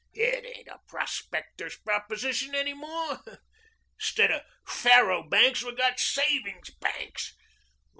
It ain't a prospector's proposition any more. Instead of faro banks we've got savings banks.